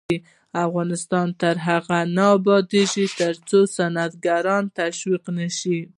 افغانستان تر هغو نه ابادیږي، ترڅو صنعتکاران تشویق نشي.